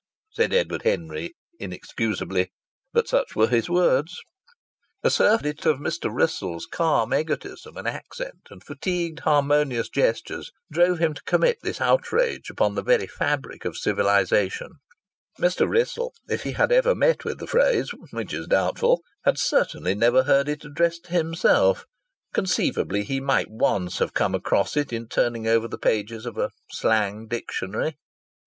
said Edward Henry, inexcusably but such were his words. A surfeit of Mr. Wrissell's calm egotism and accent and fatigued harmonious gestures drove him to commit this outrage upon the very fabric of civilization. Mr. Wrissell, if he had ever met with the phrase which is doubtful had certainly never heard it addressed to himself; conceivably he might have once come across it in turning over the pages of a slang dictionary.